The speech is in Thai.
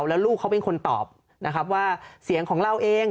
แล้วลูกเขาเป็นคนตอบนะครับว่าเสียงของเราเอง